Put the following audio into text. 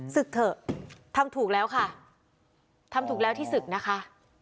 ศึกเถอะทำถูกแล้วค่ะทำถูกแล้วที่ศึกนะคะ